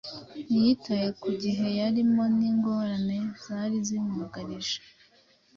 Ntiyitaye ku gihe yarimo n’ingorane zari zimwugarije